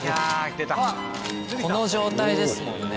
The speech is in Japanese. この状態ですもんね。